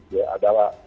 ya ada lah